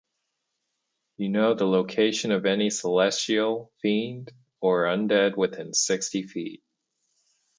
You know the location of any celestial, fiend, or undead within sixty feet.